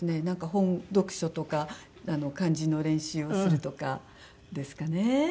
なんか本読書とか漢字の練習をするとかですかね。